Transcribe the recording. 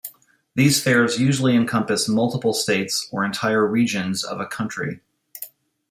These fairs usually encompass multiple states or entire regions of a country.